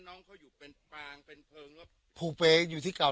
น้องเขาอยู่เป็นปางเป็นเพลิงแล้วภูเปย์อยู่ที่เก่า